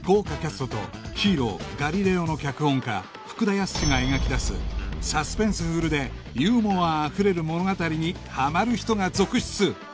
『ＨＥＲＯ』『ガリレオ』の脚本家福田靖が描き出すサスペンスフルでユーモアあふれる物語にハマる人が続出！